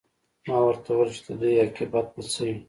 ما ورته وویل چې د دوی عاقبت به څه وي